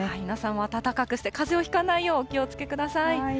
皆さんも暖かくして、かぜをひかないようお気をつけください。